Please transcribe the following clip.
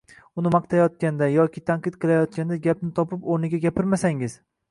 uni maqtayotganda yoki tanqid qilayotganda gapni topib, o‘rnida gapirmasangiz